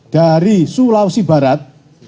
dari sulawesi barat